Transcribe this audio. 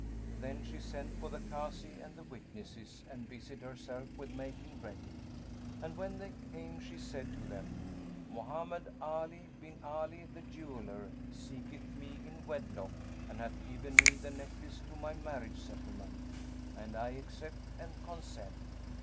Then she sent for the Kazi and the witnesses and busied herself with making ready; and, when they came, she said to them, 'Mohammed Ali, bin Ali the Jeweller, seeketh me in wedlock and hath given me the necklace to my marriage settlement; and I accept and consent.'